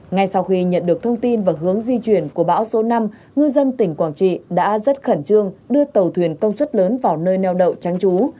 ngay sau khi nhận được thông tin và hướng di chuyển của bão số năm ngư dân tỉnh quảng trị đã rất khẩn trương đưa tàu thuyền công suất lớn vào nơi neo đậu tránh trú